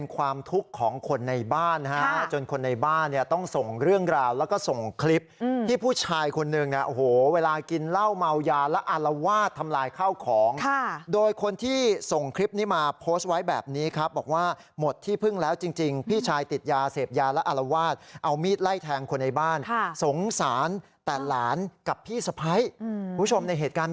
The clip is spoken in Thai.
ความทุกข์ของคนในบ้านนะฮะจนคนในบ้านเนี่ยต้องส่งเรื่องราวแล้วก็ส่งคลิปที่ผู้ชายคนนึงเนี่ยโอ้โหเวลากินเหล้าเมายาและอารวาสทำลายข้าวของโดยคนที่ส่งคลิปนี้มาโพสต์ไว้แบบนี้ครับบอกว่าหมดที่พึ่งแล้วจริงพี่ชายติดยาเสพยาและอารวาสเอามีดไล่แทงคนในบ้านสงสารแต่หลานกับพี่สะพ้ายผู้ชมในเหตุการณ์